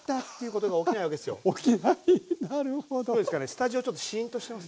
スタジオちょっとシーンとしてます？